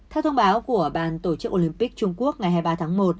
theo thông báo của bàn tổ chức olympic trung quốc ngày hai mươi ba tháng một